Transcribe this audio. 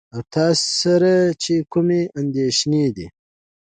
او تاسره چې کومې اندېښنې دي .